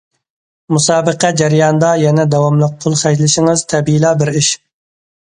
مۇسابىقە جەريانىدا يەنە داۋاملىق پۇل خەجلىشىڭىز تەبىئىيلا بىر ئىش.